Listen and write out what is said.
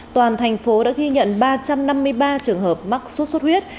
toàn thành phố đã ghi nhận ba trăm năm mươi ba trường hợp mắc sốt xuất huyết